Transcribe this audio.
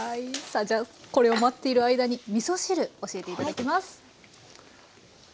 さあじゃあこれを待っている間にみそ汁教えて頂きます。